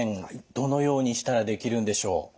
どのようにしたらできるんでしょう？